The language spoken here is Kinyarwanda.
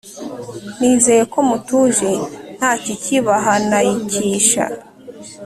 nizeye ko mutuje ntakikibahanayikisha